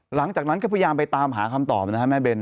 หลังจากนั้นก็พยายามไปตามหาคำตอบนะครับแม่เบน